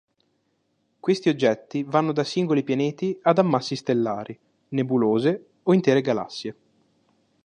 Questi oggetti vanno da singoli pianeti ad ammassi stellari, nebulose o intere galassie.